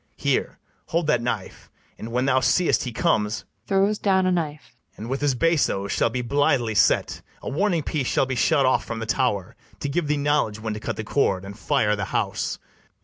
Here, hold that knife; and, when thou seest he comes, [Throws down a knife.] And with his bassoes shall be blithely set, A warning piece shall be shot off from the tower, To give thee knowledge when to cut the cord, And fire the house.